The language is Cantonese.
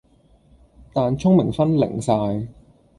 但聰明分零晒